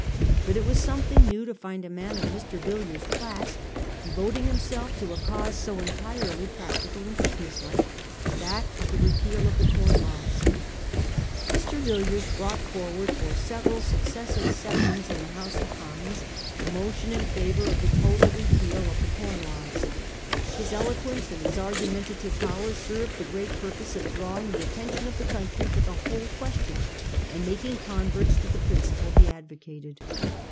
But it was something new to find a man of Mr. Villiers' class devoting himself to a cause so entirely practical and business like as that of the repeal of the Com Laws. Mr. Villiers brought forward for several successive sessions in the House of Commons a motion in favour of the total repeal of 336 A HISTORY OF OUR OWN TIMES. ch. xrv. the Com Laws. His eloquence and his argumenta tive power served the great purpose of drawing the attention of the country to the whole question, and making converts to the principle he advocated.